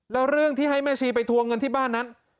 แล้วเรื่องที่ให้แม่ชีไปทวงเงินที่บ้านนั้น